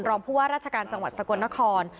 รองผู้ว่าราชการจังหวัดสกลนคร